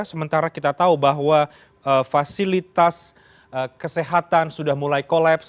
sementara kita tahu bahwa fasilitas kesehatan sudah mulai kolaps